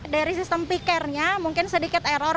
dari sistem pikirnya mungkin sedikit error